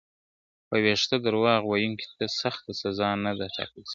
په ويښه درواغ ويونکي ته سخته سزا نه ده ټاکل سوې.